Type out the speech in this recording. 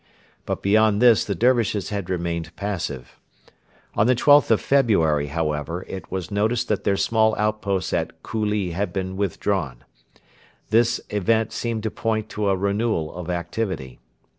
But beyond this the Dervishes had remained passive. On the 12th of February, however, it was noticed that their small outpost at Khulli had been withdrawn. This event seemed to point to a renewal of activity.